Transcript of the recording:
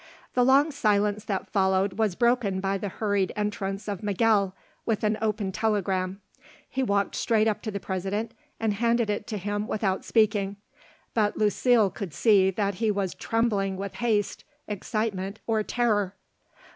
The long silence that followed was broken by the hurried entrance of Miguel with an opened telegram. He walked straight up to the President and handed it to him without speaking; but Lucile could see that he was trembling with haste, excitement, or terror.